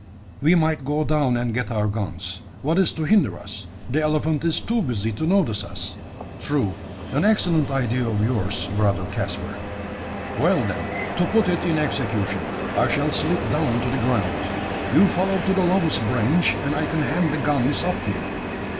We might go down and get our guns. What is to hinder us? the elephant is too busy to notice us." "True an excellent idea of yours, brother Caspar." "Well, then, to put it in execution. I shall slip down to the ground; you follow to the lowest branch, and I can hand the guns up to you.